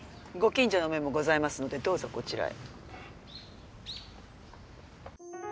ご近所の目もございますのでどうぞこちらへ。